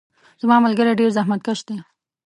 زما ملګري ډیر زحمت کش دي.